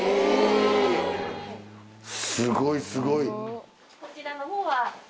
すごいすごい。